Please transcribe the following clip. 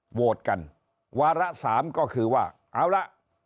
โหวตกันวาระสามก็คือว่าเอาละ